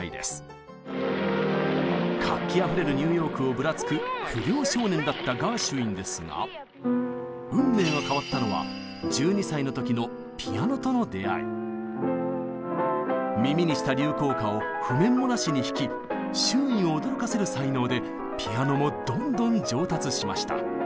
活気あふれるニューヨークをぶらつく不良少年だったガーシュウィンですが運命が変わったのは耳にした流行歌を譜面もなしに弾き周囲を驚かせる才能でピアノもどんどん上達しました。